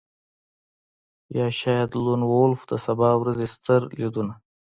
یا شاید لون وولف د سبا ورځې ستر لیدونه